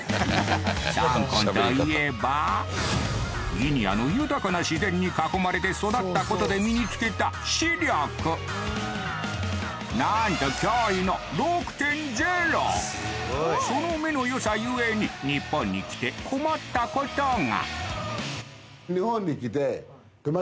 ギニアの豊かな自然に囲まれて育ったことで身につけた視力なんと驚異のその目の良さゆえに日本に来て困ったことが！